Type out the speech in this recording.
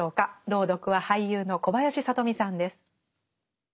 朗読は俳優の小林聡美さんです。